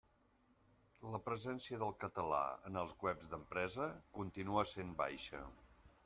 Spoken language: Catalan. La presència del català en els webs d'empresa continua essent baixa.